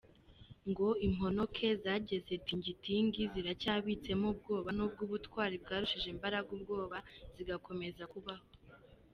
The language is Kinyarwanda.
Ngo imponoke zageze Tingitingi ziracyabitsemo ubwoba n’ubwo ubutwari bwarushije imbaraga ubwoba zigakomeza kubaho.